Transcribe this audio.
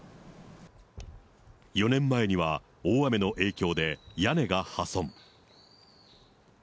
４年前には大雨の影響で屋根が破損。